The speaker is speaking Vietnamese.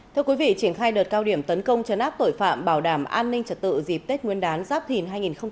thưa quý vị triển khai đợt cao điểm tấn công chấn áp tội phạm bảo đảm an ninh trật tự dịp tết nguyên đán giáp thìn hai nghìn hai mươi bốn